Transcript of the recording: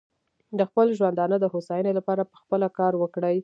د خپل ژوندانه د هوساینې لپاره پخپله کار وکړي.